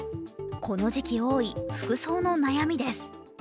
この時期多い服装の悩みです。